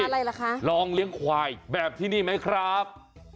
อะไรล่ะคะลองเลี้ยงควายแบบที่นี่ไหมครับ